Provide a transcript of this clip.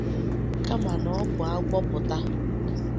kama na ọ bụ agwọ pụta